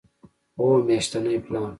هو، میاشتنی پلان